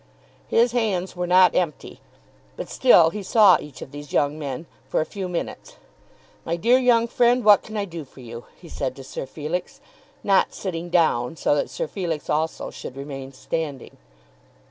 His hands were not empty, but still he saw each of these young men, for a few minutes. "My dear young friend, what can I do for you?" he said to Sir Felix, not sitting down, so that Sir Felix also should remain standing.